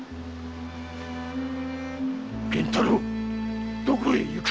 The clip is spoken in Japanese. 源太郎どこへ行く！